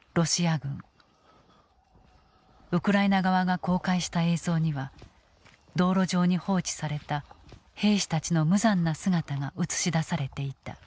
ウクライナ側が公開した映像には道路上に放置された兵士たちの無残な姿が映し出されていた。